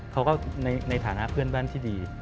เขาก็ในฐานะเพื่อนบ้านที่ดี